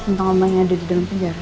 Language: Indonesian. tentang yang ada di dalam penjara